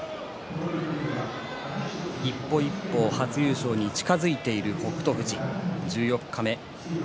一歩一歩、初優勝に近づいている北勝富士、十四日目。